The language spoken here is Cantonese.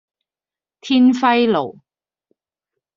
天暉路